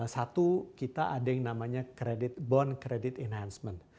satu kita ada yang namanya credit bond credit enhancement